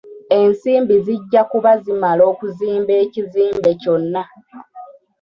Ensimbi zijja kuba zimala okuzimba ekizimbe kyonna.